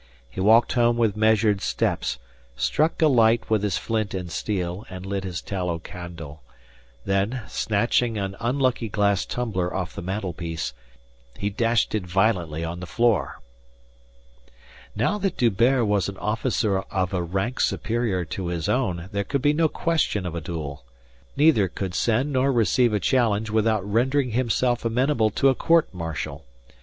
He walked home with measured steps, struck a light with his flint and steel, and lit his tallow candle. Then, snatching an unlucky glass tumbler off the mantelpiece, he dashed it violently on the floor. Now that D'Hubert was an officer of a rank superior to his own, there could be no question of a duel. Neither could send nor receive a challenge without rendering himself amenable to a court martial.